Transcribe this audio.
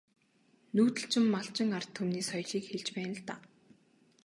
Нүүдэлчин малчин ард түмний соёлыг хэлж байна л даа.